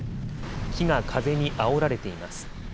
木が風にあおられています。